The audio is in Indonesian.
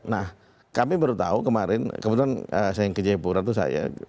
nah kami baru tahu kemarin kebetulan saya yang kerja di purwara itu saya